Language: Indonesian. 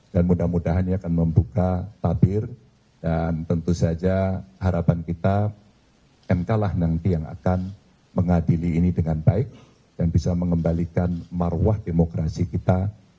dan mudah mudahan ini akan membuka tabir dan tentu saja harapan kita mk lah nanti yang akan mengadili ini dengan baik dan bisa mengembalikan maruah demokrasi kita